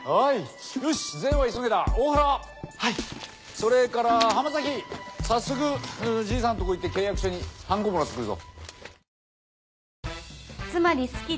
それから浜崎早速じいさんとこ行って契約書にハンコをもらってくるぞ。